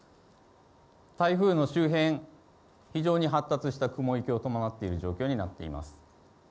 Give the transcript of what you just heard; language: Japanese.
台風の周辺、非常に発達した雲行きを伴っている状況になっています。